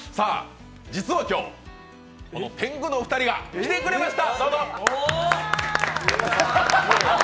実は今日、この天狗の２人が来てくれました。